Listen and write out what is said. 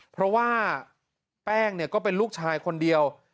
เพราะว่าแป้งก็เป็นลูกชายคนเดียว